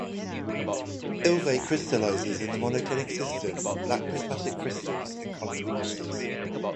Ilvaite crystallizes in the monoclinic system in black prismatic crystals and columnar masses.